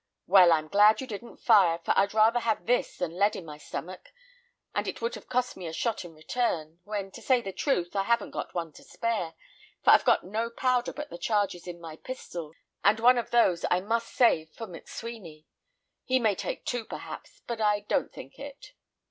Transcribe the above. Well, I'm glad you didn't fire, for I'd rather have this than lead in my stomach; and it would have cost me a shot in return, when, to say the truth, I haven't got one to spare, for I've got no powder but the charges in my pistols, and one of those I must save for McSweeny. He may take two, perhaps, but I don't think it."